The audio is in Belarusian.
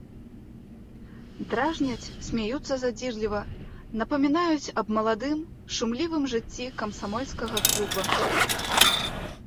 Дражняць, смяюцца задзірліва, напамінаюць аб маладым, шумлівым жыцці камсамольскага клуба.